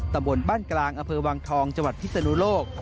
ตำบลบ้านกลางอำเภอวังทองจังหวัดพิศนุโลก